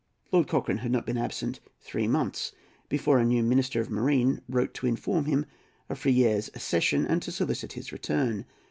Lord Cochrane had not been absent three months before a new Minister of Marine wrote to inform him of Freire's accession and to solicit his return.